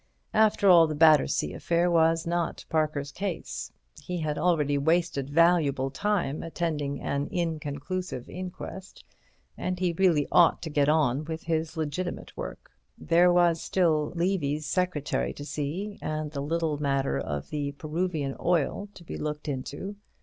After all the Battersea affair was not Parker's case; he had already wasted valuable time attending an inconclusive inquest, and he really ought to get on with his legitimate work. There was still Levy's secretary to see and the little matter of the Peruvian Oil to be looked into.